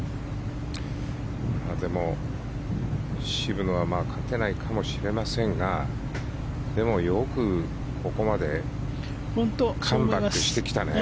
でも、渋野は勝てないかもしれませんがでも、よくここまでカムバックしてきたね。